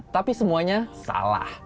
tapi semuanya salah